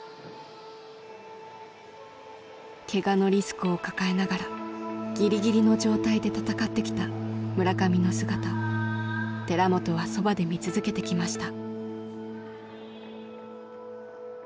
ケガのリスクを抱えながらギリギリの状態で戦ってきた村上の姿を寺本はそばで見続けてきました。